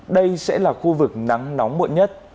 đây sẽ là khu vực nắng nóng muộn nhất